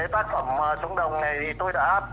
tác phẩm xuống đồng này thì tôi đã